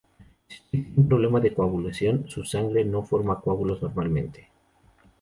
Si usted tiene un problema de coagulación, su sangre no forma coágulos normalmente.